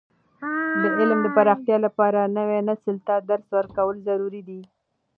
د علم د پراختیا لپاره، نوي نسل ته درس ورکول ضروري دي.